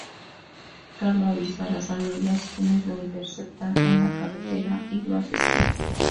Carlo avisa a las familias, quienes lo interceptan en la carretera y lo asesinan.